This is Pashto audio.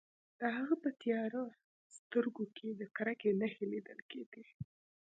د هغه په تیاره سترګو کې د کرکې نښې لیدل کیدې